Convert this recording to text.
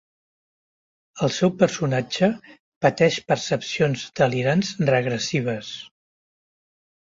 El seu personatge pateix percepcions delirants regressives.